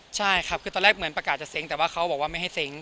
ใช่ครับคือตอนแรกเหมือนประกาศจะเซ้งแต่ว่าเขาบอกว่าไม่ให้เซ้ง